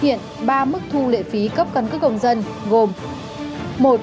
hiện ba mức thu lệ phí cấp căn cứ công dân gồm